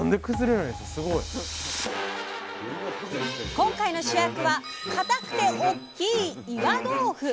今回の主役は固くておっきい岩豆腐！